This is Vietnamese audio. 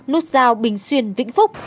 nút rào bình xuyên vĩnh phúc